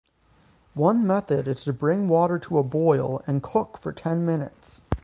One method is to bring water to a boil and cook for ten minutes.